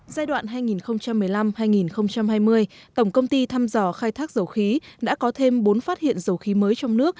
giai đoạn hai nghìn một mươi năm hai nghìn hai mươi tổng công ty thăm dò khai thác dầu khí đã có thêm bốn phát hiện dầu khí mới trong nước